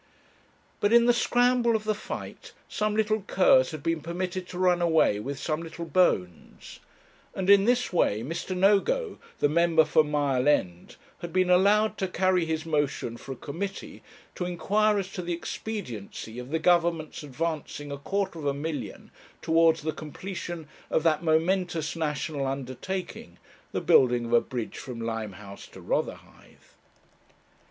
But in the scramble of the fight some little curs had been permitted to run away with some little bones; and, in this way, Mr. Nogo, the member for Mile End, had been allowed to carry his motion for a committee to inquire as to the expediency of the Government's advancing a quarter of a million towards the completion of that momentous national undertaking, the building of a bridge from Limehouse to Rotherhithe.